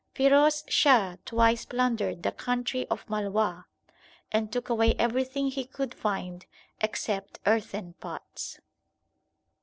Firoz Shah twice plundered the country of Malwa, and took away everything he could find except earthen pots.